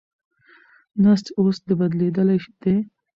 نسج اوس بدلېدلی دی.